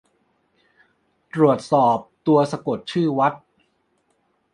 ตรวจสอบตัวสะกดชื่อวัด